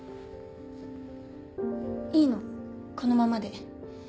いいのこのままで。